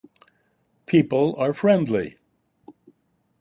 People are friendly.